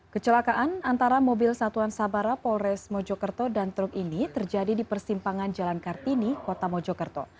kecelakaan antara mobil satuan sabara polres mojokerto dan truk ini terjadi di persimpangan jalan kartini kota mojokerto